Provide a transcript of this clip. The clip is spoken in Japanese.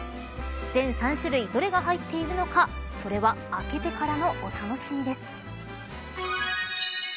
全３種類どれが入っているのかそれは開けてからのお楽しみです。